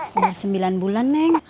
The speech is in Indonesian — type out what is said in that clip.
sudah sembilan bulan neng